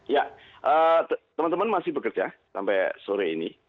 ya teman teman masih bekerja sampai sore ini